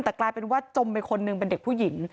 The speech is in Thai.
แต่กลายเป็นว่าจมไปคนหนึ่งเป็นเด็กผู้หญิง